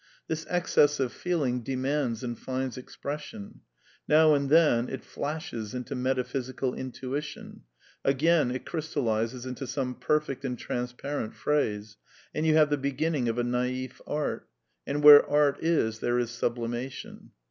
This excess of feeling demands and finds expression ; now and then it flashes into metaphysical intuition; again it crystallizes into some perfect and transparent phrase; and you have the beginning of a naif art; and where art is there is sublimation.